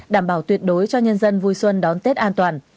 đảm bảo tuyệt đối cho nhân dân vui xuân đón tết an toàn